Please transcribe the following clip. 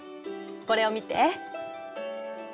これを見て。